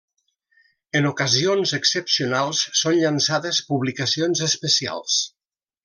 En ocasions excepcionals són llançades publicacions especials.